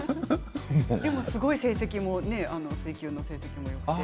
でもすごく水球の成績もよくて。